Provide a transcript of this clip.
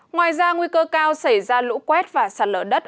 ngoài ra nguy cơ cao xảy ra lũ quét và sạt lở đất